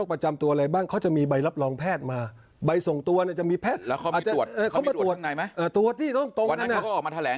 เพราะว่าคุณทรักษิตป่วยกี่โรค